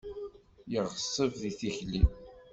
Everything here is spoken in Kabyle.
Yeɣṣeb di tikli.